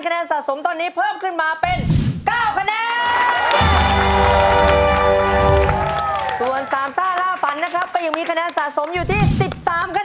แนนสะสมตอนนี้เพิ่มขึ้นมาเป็น๙คะแนน่าฝันนะครับก็ยังมีคะแนนสะสมอยู่ที่๑๓คะแนน